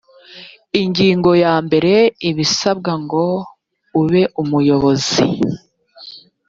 ingingo ya mbere ibisabwa ngo ube umuyobozi